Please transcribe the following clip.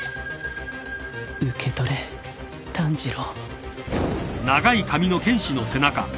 受け取れ炭治郎